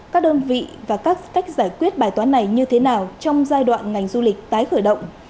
các đơn vị và các cách giải quyết bài toán này như thế nào trong giai đoạn ngành du lịch tái khởi động